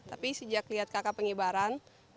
tapi sejak lihat kakak pengibaran